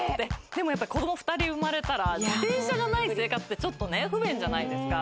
でも子供２人産まれたら、自転車がない生活って不便じゃないですか。